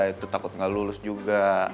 itu takut gak lulus juga